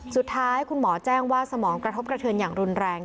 สุดท้ายคุณหมอแจ้งว่าสมองกระทบกระเทือนอย่างรุนแรง